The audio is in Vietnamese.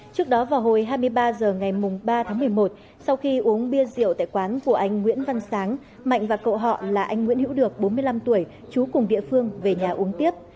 trước đó vào hồi hai mươi ba h ngày ba tháng một mươi một sau khi uống bia rượu tại quán của anh nguyễn văn sáng mạnh và cậu họ là anh nguyễn hữu được bốn mươi năm tuổi chú cùng địa phương về nhà uống tiếp